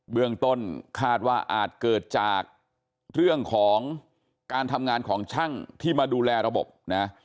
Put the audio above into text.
เรื่องต้นคาดว่าอาจเกิดจากเรื่องของการทำงานของช่างที่มาดูแลระบบนะ